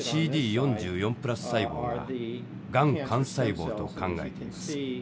４４プラス細胞ががん幹細胞と考えています。